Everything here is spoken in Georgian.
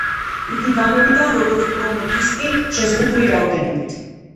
იგი გამოვიდა, როგორც პრომო-დისკი, შეზღუდული რაოდენობით.